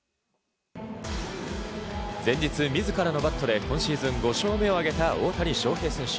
前日、自らのバットで今シーズン５勝目を挙げた大谷翔平選手。